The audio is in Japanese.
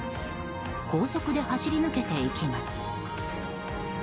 高速で走り抜けていきます。